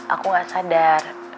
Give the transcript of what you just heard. aku gak sadar